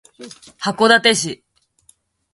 函館市